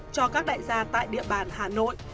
cho các đại gia tại địa bàn hà nội